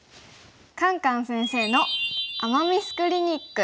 「カンカン先生の“アマ・ミス”クリニック１」。